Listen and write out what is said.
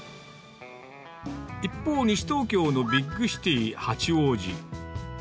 一方、西東京のビッグシティー、八王子。